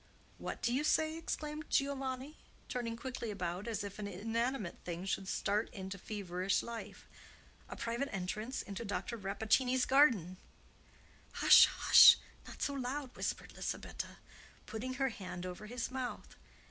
"What do you say?" exclaimed Giovanni, turning quickly about, as if an inanimate thing should start into feverish life. "A private entrance into Dr. Rappaccini's garden?" "Hush! hush! not so loud!" whispered Lisabetta, putting her hand over his mouth.